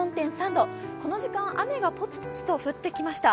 この時間、雨がぽつぽつと降ってきました。